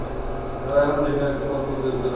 তবে এখন ভিন্ন একটি মত প্রচলিত রয়েছে।